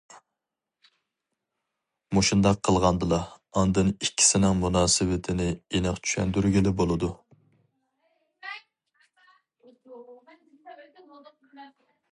مۇشۇنداق قىلغاندىلا، ئاندىن ئىككىسىنىڭ مۇناسىۋىتىنى ئېنىق چۈشەندۈرگىلى بولىدۇ.